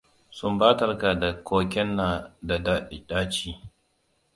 Sumbatarka da koken na da ɗaci.